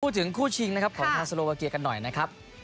วันนี้จะพูดถึงคู่ชิงของทางโทรโวเวียครับ